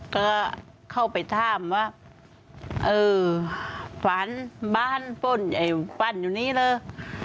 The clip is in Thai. ก็เข้าไปท่ามว่าเออฝนบ้านพ่นอยู่นี้เลย